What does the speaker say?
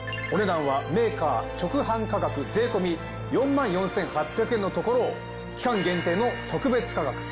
お値段はメーカー直販価格税込４４，８００円のところを期間限定の特別価格